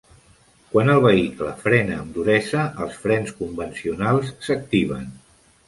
Quan el vehicle frena amb duresa, els frens convencionals s"activen.